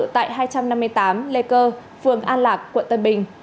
tại hai trăm năm mươi tám lê cơ phường an lạc quận tân bình